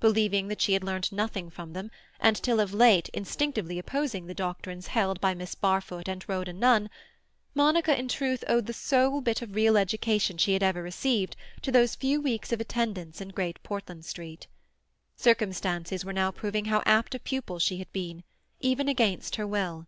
Believing that she had learnt nothing from them, and till of late instinctively opposing the doctrines held by Miss Barfoot and Rhoda Nunn, Monica in truth owed the sole bit of real education she had ever received to those few weeks of attendance in Great Portland Street. Circumstances were now proving how apt a pupil she had been, even against her will.